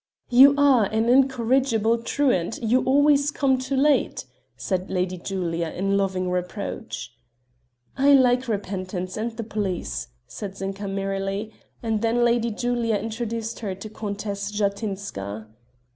"You are an incorrigible truant, you always come too late;" said Lady Julia in loving reproach. "Like repentance and the police," said Zinka merrily; and then Lady Julia introduced her to Countess Jatinska.